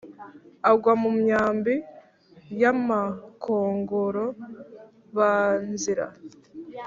agwa mu myambi y’abakongoro ba nzira